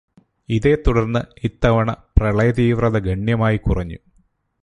ഇതേത്തുടര്ന്ന് ഇത്തവണ പ്രളയതീവ്രത ഗണ്യമായി കുറഞ്ഞു.